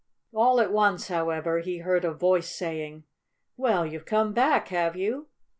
All at once, however, he heard a voice saying: "Well, you've come back, have you?"